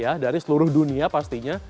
ya dari seluruh dunia pastinya